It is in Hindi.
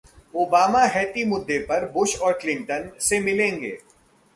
ओबामा हैती मुद्दे पर बुश और क्लिंटन से मिलेंगे